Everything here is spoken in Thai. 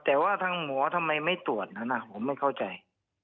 แต่ว่าทางหมอทำไมไม่ตรวจนั้นผมไม่เข้าใจ